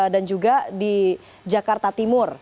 dan juga di jakarta timur